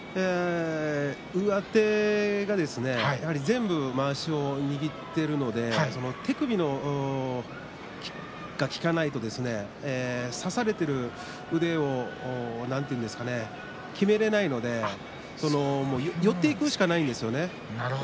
上手が全部まわしを握っているので手首が効かないと差されている腕をきめられないので寄っていくしかないんですよね。